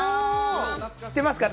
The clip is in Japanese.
知ってますか？